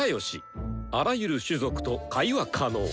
あらゆる種族と会話可能。